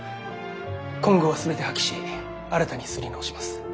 今号は全て破棄し新たに刷り直します。